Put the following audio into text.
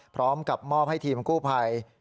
พร้อมกับมอบให้ทีมกู้ภัย